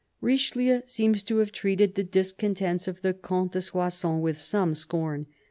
Richelieu seems to have treated, the discontents of the Comte de Soissons with some scorn.